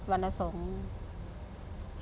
วันละสองที่